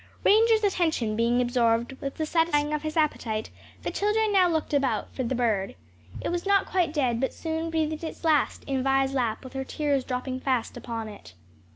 Ranger's attention being absorbed with the satisfying of his appetite, the children now looked about for the bird. It was not quite dead, but soon breathed its last in Vi's lap with her tears dropping fast upon it.